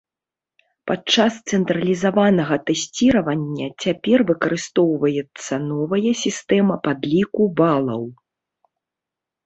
Падчас цэнтралізаванага тэсціравання цяпер выкарыстоўваецца новая сістэма падліку балаў.